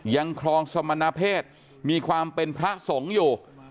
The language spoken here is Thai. ครองสมณเพศมีความเป็นพระสงฆ์อยู่